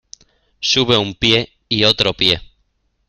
sube un pie y otro pie.